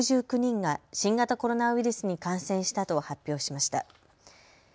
６９人が新型コロナウイルスに感染したと発表しました。